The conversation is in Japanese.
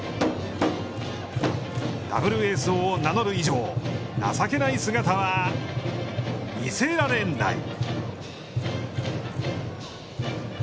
ダブルエースを名乗る以上、情けない姿は、見せられない。